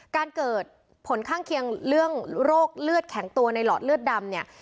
การเกิดผลข้างเคียงเรื่องโรคเลือดแข็งตัวในหลอดเลือดดำเนี่ย